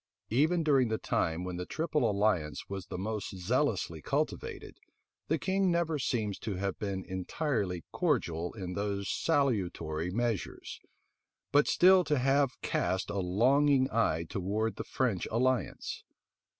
Even during the time when the triple alliance was the most zealously cultivated, the king never seems to have been entirely cordial in those salutary measures, but still to have cast a longing eye towards the French alliance.